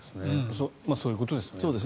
そういうことですよね。